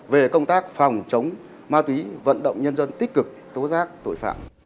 về công tác phòng chống ma túy vận động nhân dân tích cực tố giác tội phạm